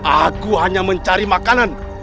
aku hanya mencari makanan